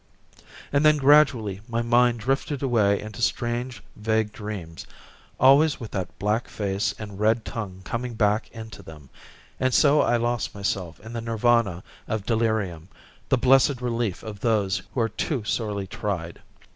And then gradually my mind drifted away into strange vague dreams, always with that black face and red tongue coming back into them, and so I lost myself in the nirvana of delirium, the blessed relief of those who are too sorely tried.